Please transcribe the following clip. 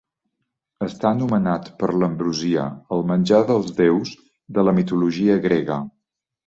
Està anomenat per l'ambrosia, el menjar dels déus de la mitologia grega.